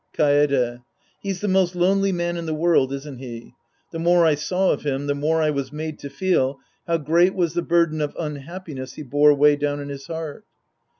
Kaede. He's the most lonely man in the world, isn't he ? The more I saw of him, the more I was made to feel how great was the burden of unhappi ness he bore way down in his heart.